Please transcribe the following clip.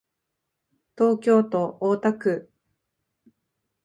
東京都大田区